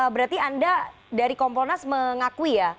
berarti anda dari kompolnas mengakui ya